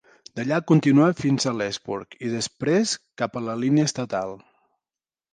D'allà continua fins a Leesburg i després cap a la línia estatal.